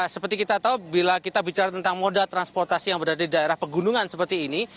seperti kita tahu bila kita bicara tentang moda transportasi yang berada di daerah pegunungan seperti ini